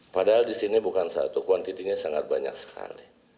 padahal di sini bukan satu kuantitinya sangat banyak sekali